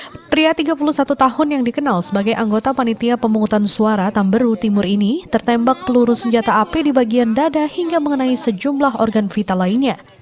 pria tiga puluh satu tahun yang dikenal sebagai anggota panitia pemungutan suara tamberu timur ini tertembak peluru senjata api di bagian dada hingga mengenai sejumlah organ vital lainnya